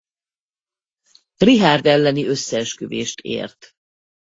Richárd elleni összeesküvést ért.